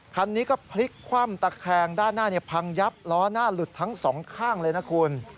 คันนี้ก็พลิกคว่ำตะแคงด้านหน้าพังยับล้อหน้าหลุดทั้งสองข้างเลยนะคุณ